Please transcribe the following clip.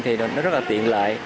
thì nó rất là tiện lợi